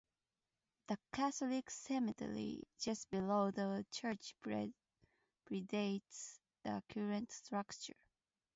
The Catholic cemetery just below the church predates the current structure.